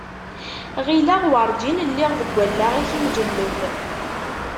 Γileɣ werǧin lliɣ deg wallaɣ-ik imǧelleb.